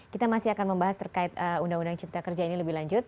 kita masih akan membahas terkait undang undang cipta kerja ini lebih lanjut